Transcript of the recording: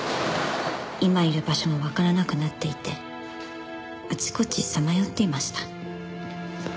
「今いる場所もわからなくなっていてあちこちさまよっていました」